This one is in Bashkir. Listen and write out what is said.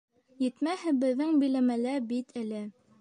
Етмәһә, беҙҙең биләмәлә бит әле.